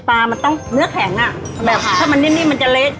ปลามันต้องเนื้อแข็งอ่ะค่ะถ้ามันนิ่มมันจะเล็ก